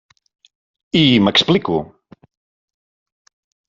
I m'explico.